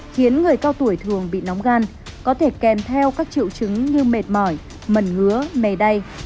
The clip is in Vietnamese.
khiến người cao tuổi thường bị nóng gan có thể kèm theo các triệu chứng như mệt mỏi mẩn ngứa mè đay